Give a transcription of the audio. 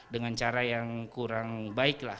dengan cara yang kurang baik lah